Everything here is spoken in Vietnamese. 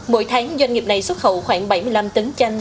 mỗi tháng doanh nghiệp này xuất khẩu khoảng bảy mươi năm tấn chanh